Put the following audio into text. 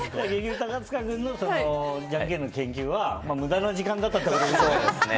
高塚君のじゃんけんの研究は無駄な時間だったってことね。